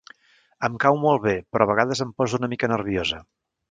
Em cau molt bé, però a vegades em posa una mica nerviosa.